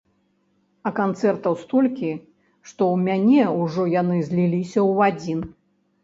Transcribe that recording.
А канцэртаў столькі, што ў мяне ўжо яны зліліся ў адзін.